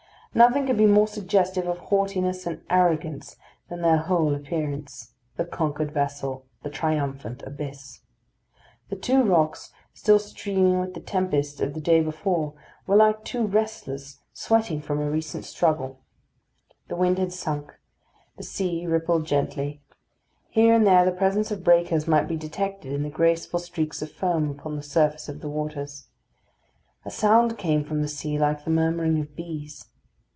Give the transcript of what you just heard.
Nothing could be more suggestive of haughtiness and arrogance than their whole appearance: the conquered vessel; the triumphant abyss. The two rocks, still streaming with the tempest of the day before, were like two wrestlers sweating from a recent struggle. The wind had sunk; the sea rippled gently; here and there the presence of breakers might be detected in the graceful streaks of foam upon the surface of the waters. A sound came from the sea like the murmuring of bees.